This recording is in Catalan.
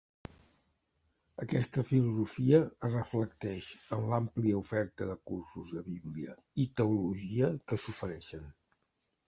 Aquesta filosofia es reflecteix en l'àmplia oferta de cursos de Bíblia i teologia que s'ofereixen.